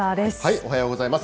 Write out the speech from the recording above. おはようございます。